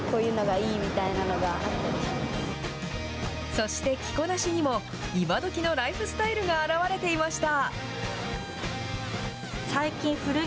そして、着こなしにも今どきのライフスタイルが表れていました。